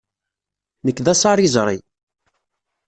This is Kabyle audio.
Nekk d asariẓri.